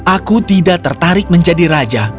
aku tidak tertarik menjadi raja